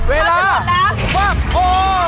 เวลาว้าวโอ้โห